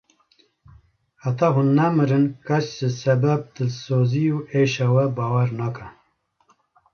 Heta hûn nemirin kes ji sebeb, dilsozî û êşa we bawer nake.